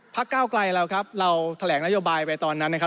ก้าวไกลเราครับเราแถลงนโยบายไปตอนนั้นนะครับ